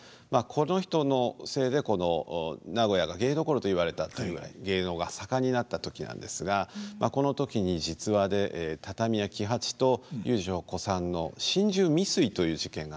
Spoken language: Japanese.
この人のせいでこの名古屋が芸どころと言われたというぐらい芸能が盛んになった時なんですがこの時に実話で畳屋喜八と遊女小さんの心中未遂という事件があったんですね。